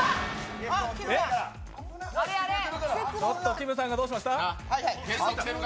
きむさんがどうしました？